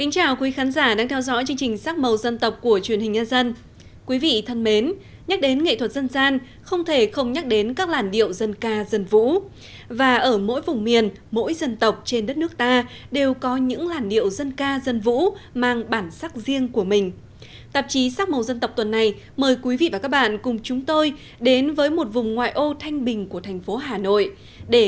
chào mừng quý vị đến với bộ phim hãy nhớ like share và đăng ký kênh của chúng mình nhé